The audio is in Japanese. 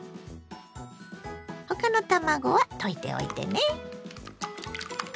他の卵は溶いておいてね。